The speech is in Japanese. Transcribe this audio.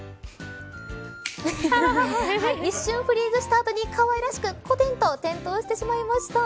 一瞬フリーズした後にかわいらしくこてんとしてしまいました。